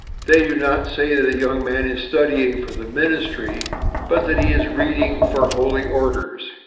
They do not say that a young man is /studying for the ministry/, but that he is /reading for holy orders